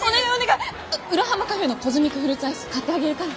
浦浜カフェのコズミックフルーツアイス買ってあげるから。